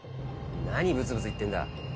何ブツブツ言ってんだ。